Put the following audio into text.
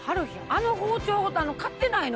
あの包丁を買ってないの？